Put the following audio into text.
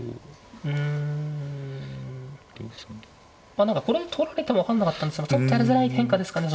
まあ何かこれも取られても分かんなかったんですけどちょっとやりづらい変化ですかね。